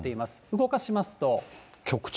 動かしますと。